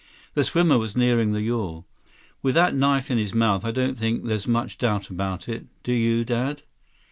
The swimmer was nearing the yawl. "With that knife in his mouth, I don't think there's much doubt about it. Do you, Dad?"